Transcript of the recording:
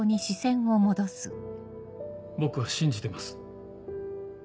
僕は信じてます。